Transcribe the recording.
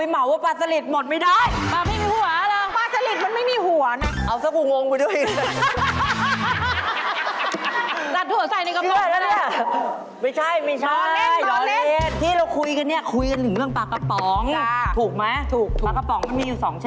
เอาซัฟูงงไปด้วย